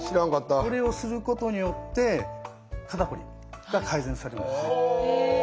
これをすることによって肩こりが改善されます。